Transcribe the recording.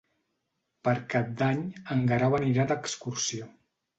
Per Cap d'Any en Guerau anirà d'excursió.